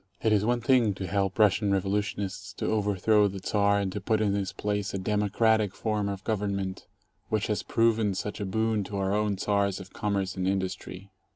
It is one thing to help Russian revolutionists to overthrow the Czar and to put in his place a "democratic" form of government which has proven such a boon to our own Czars of commerce and industry.